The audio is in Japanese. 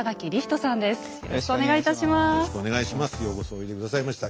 ようこそおいで下さいました。